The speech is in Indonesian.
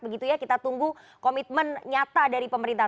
begitu ya kita tunggu komitmen nyata dari pemerintah